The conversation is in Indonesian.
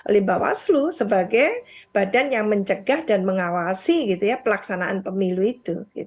limbah waslu sebagai badan yang mencegah dan mengawasi pelaksanaan pemilu itu